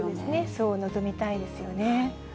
そう望みたいですよね。